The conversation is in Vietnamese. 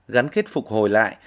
gắn kết phục hồi lại